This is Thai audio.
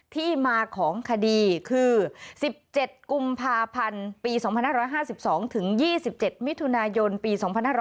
ที่มาของคดีคือ๑๗กุมภาพันธ์ปี๒๕๕๒ถึง๒๒๗มิถุนายนปี๒๕๖๐